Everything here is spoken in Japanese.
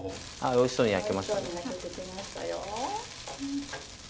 おいしそうに焼けてきましたよ。